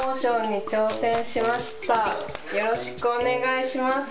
よろしくお願いします。